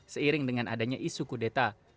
seiring dengan adanya isu kudeta